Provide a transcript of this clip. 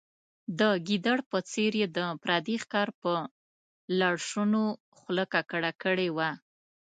د ګیدړ په څېر یې د پردي ښکار په لړشونو خوله ککړه کړې وه.